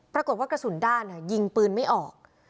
ปรากฏว่ากระสุนด้านยิงปืนไม่ออก